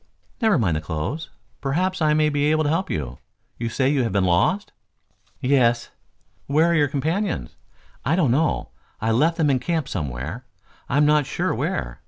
Never mind the clothes. Perhaps I may be able to help you. You say you have been lost?" "Yes." "Where are your companions?" "I don't know. I left them in camp somewhere, I am not sure where."